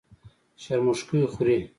شرموښکۍ خوري.